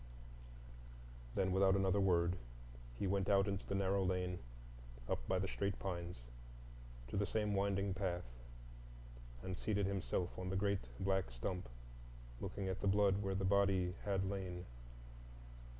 Then, without another word, he went out into the narrow lane, up by the straight pines, to the same winding path, and seated himself on the great black stump, looking at the blood where the body had lain.